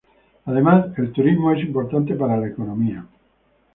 Además el turismo es importante para la economía.